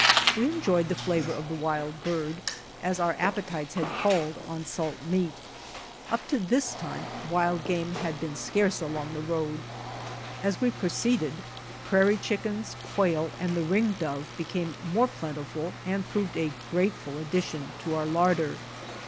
We enjoyed the flavor of the wild bird, as our appetites had palled on salt meat. Up to this time wild game had been scarce near the road. As we pro ceeded prairie chickens, quail and the ringdove became more plentiful and proved a grateful addition to our larder.